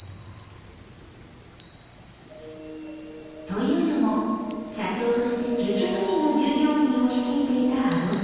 というのも社長として９００人の従業員を率いていた春雄さん。